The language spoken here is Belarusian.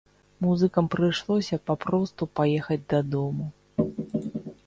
Музыкам прыйшлося папросту паехаць дадому.